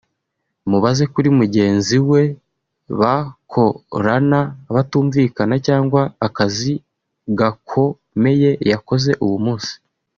mubaze kuri mugenzi we bakorana batumvikana cyangwa akazi gakomeye yakoze uwo munsi